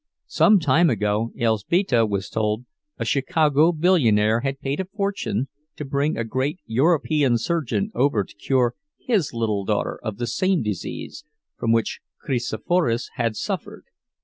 ... Some time ago, Elzbieta was told, a Chicago billionaire had paid a fortune to bring a great European surgeon over to cure his little daughter of the same disease from which Kristoforas had suffered.